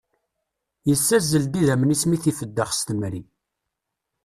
Yessazzel-d idammen-is mi i t-ifeddex s temri.